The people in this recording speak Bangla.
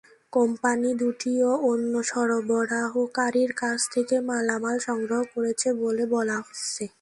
কোম্পানি দুটিও অন্য সরবরাহকারীর কাছ থেকে মালামাল সংগ্রহ করেছে বলে বলা হচ্ছে।